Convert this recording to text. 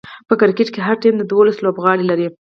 په کرکټ کښي هر ټيم دوولس لوبغاړي لري.